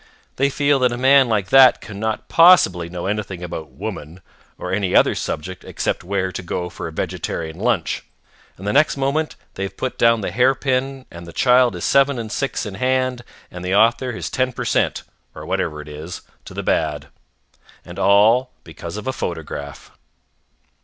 They feel that a man like that cannot possibly know anything about Woman or any other subject except where to go for a vegetarian lunch, and the next moment they have put down the hair pin and the child is seven and six in hand and the author his ten per cent., or whatever it is, to the bad. And all because of a photograph.